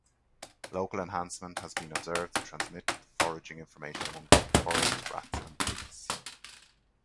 Local enhancement has been observed to transmit foraging information among birds, rats and pigs.